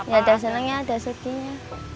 ya ada senangnya ada sedihnya